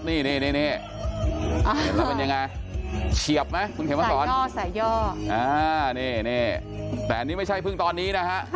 นี่เป็นยังไงเชียบมั้ยคุณเขมฮะศรใส่ย่อแต่นี่ไม่ใช่เพิ่งตอนนี้นะฮะ